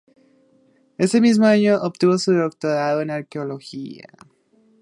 Ese mismo año obtuvo su doctorado en Arqueología.